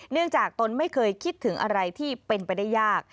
จากตนไม่เคยคิดถึงอะไรที่เป็นไปได้ยาก